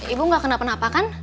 ibu gak kenapa kenapa kan